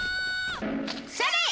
それ！